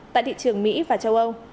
tại thị trường mỹ và châu âu